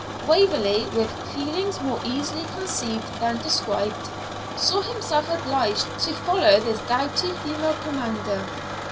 Waverley, with feelings more easily conceived than described, saw himself obliged to follow this doughty female commander.